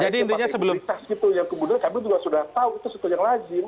jadi buat saya seperti pemerintah gitu yang kemudian kami juga sudah tahu itu sesuatu yang lazim